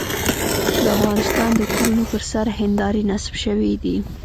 د افغانستان د کورونو پر سر هندارې نصب شوې دي.